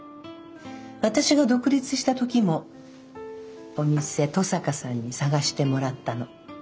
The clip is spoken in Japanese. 私が独立した時もお店登坂さんに探してもらったの。